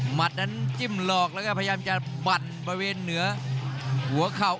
นั้นจิ้มหลอกแล้วก็พยายามจะบั่นบริเวณเหนือหัวเข่า